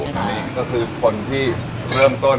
อันนี้ก็คือคนที่เริ่มต้น